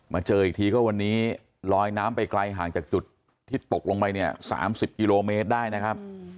เจออีกทีก็วันนี้ลอยน้ำไปไกลห่างจากจุดที่ตกลงไปเนี่ย๓๐กิโลเมตรได้นะครับ